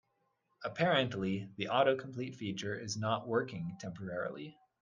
Apparently, the autocomplete feature is not working temporarily.